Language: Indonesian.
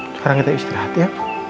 sekarang kita istirahat ya